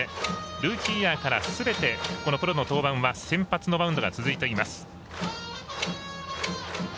ルーキーイヤーからすべてプロの登板は先発のマウンドが続いています。